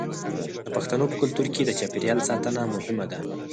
د پښتنو په کلتور کې د چاپیریال ساتنه مهمه ده.